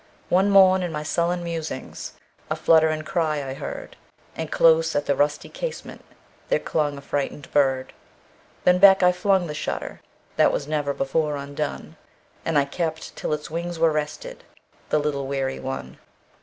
One morn, in my sullen musings,A flutter and cry I heard; And close at the rusty casementThere clung a frightened bird. Then back I flung the shutterThat was never before undone, And I kept till its wings were restedThe little weary one.